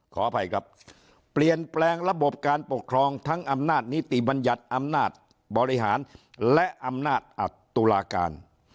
ขออภัยครับเปลี่ยนแปลงระบบการปกครองทั้งอำนาจนิติบัญญัติอำนาจบริหารและอำนาจอัตตุลาการ